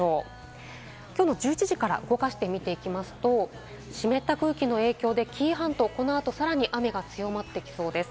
きょうの１１時から動かして見ていきますと、湿った空気の影響で紀伊半島、この後、さらに雨が強まってきそうです。